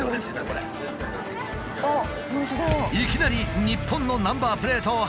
いきなり日本のナンバープレートを発見！